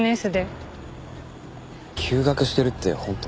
休学してるって本当？